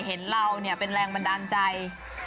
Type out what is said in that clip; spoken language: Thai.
เห็นเราเป็นแรงบันดาลใจ